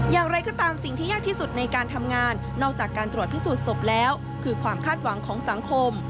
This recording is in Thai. อย่างไรก็ตามสิ่งที่ยากที่สุดในการทำงานนอกจากการตรวจพิสูจน์ศพแล้วคือความคาดหวังของสังคม